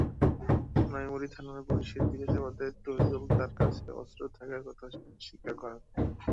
সোনাইমুড়ী থানার পুলিশের জিজ্ঞাসাবাদে তৌহিদুল তাঁর কাছে অস্ত্র থাকার কথা স্বীকার করেন।